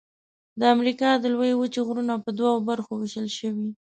د امریکا د لویې وچې غرونه په دوو برخو ویشل شوي.